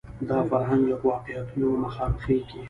دا فرهنګ له واقعیتونو مخامخېږي